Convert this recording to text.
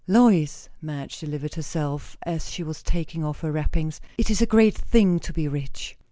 "Lois," Madge delivered herself as she was taking off her wrappings, "it is a great thing to be rich!"